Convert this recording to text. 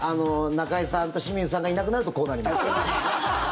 中居さんと清水さんがいなくなるとこうなります。